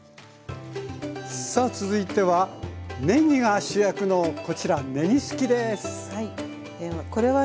さあ続いてはねぎが主役のこちらはい。